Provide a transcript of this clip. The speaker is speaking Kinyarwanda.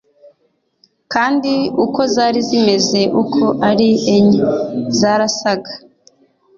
kandi uko zari zimeze uko ari enye zarasaga